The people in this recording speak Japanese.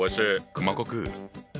熊悟空。